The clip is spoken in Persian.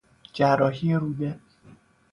جراحی روده